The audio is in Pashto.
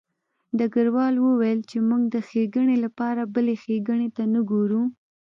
ډګروال وویل چې موږ د ښېګڼې لپاره بلې ښېګڼې ته نه ګورو